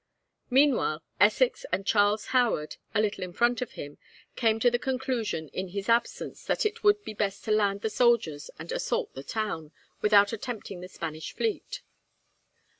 Meanwhile Essex and Charles Howard, a little in front of him, came to the conclusion in his absence that it would be best to land the soldiers and assault the town, without attempting the Spanish fleet.